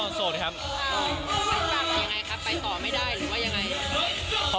อ้าวไปต่อกันยังไงครับไปต่อไม่ได้หรือว่ายังไง